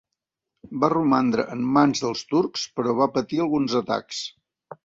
Va romandre en mans dels turcs però va patir alguns atacs.